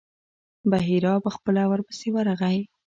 بحیرا په خپله ورپسې ورغی.